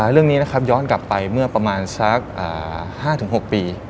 เรื่องนี้นะครับย้อนกลับไปเมื่อประมาณสัก๕๖ปี